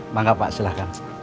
bangga pak silahkan